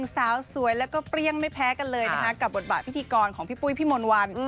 สาวสวยแล้วก็เปรี้ยงไม่แพ้กันเลยนะคะกับบทบาทพิธีกรของพี่ปุ้ยพี่มนต์วัน